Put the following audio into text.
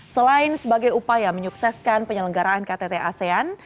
selain sebagai upaya menyukseskan penyelenggaraan ktt asean